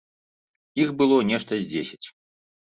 Іх было нешта з дзесяць.